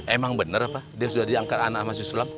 emang bener apa dia sudah diangkat anak masih sulam